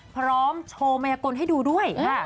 พร้อมโชว์มัยกลให้ดูด้วย